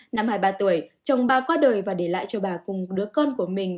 năm hai mươi ba tuổi chồng bà qua đời và để lại cho bà cùng đứa con của mình